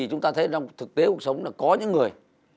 chúng ta thấy thực tế cuộc sống là có những người